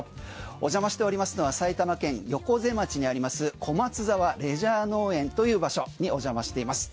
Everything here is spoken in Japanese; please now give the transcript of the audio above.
お邪魔しておりますのは埼玉県横瀬町にあります小松沢レジャー農園という場所にお邪魔しています。